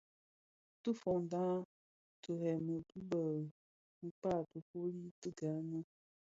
Ti foňdak tiremi bi bë nkak tifuu ti gani.